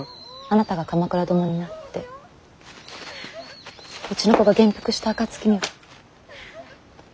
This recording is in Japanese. あなたが鎌倉殿になってうちの子が元服した暁には。